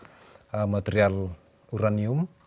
jadi dia menggunakan material uranium